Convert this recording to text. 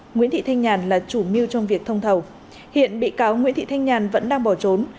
nguyễn thị thanh nhàn là chủ mưu trong việc thông thầu hiện bị cáo nguyễn thị thanh nhàn vẫn đang bỏ trốn